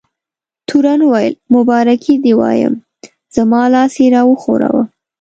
تورن وویل: مبارکي دې وایم، زما لاس یې را وښوراوه.